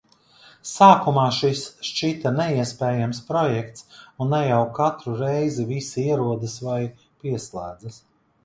Sākumā šis šķita neiespējams projekts, un ne jau katru reizi visi ierodas vai pieslēdzas.